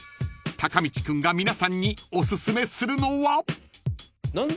［たかみち君が皆さんにおすすめするのは？］